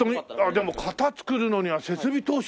でも型作るのには設備投資が大変だね。